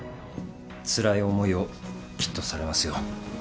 つらい思いをきっとされますよ。